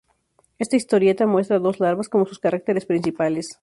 Esta historieta muestra dos larvas como sus caracteres principales.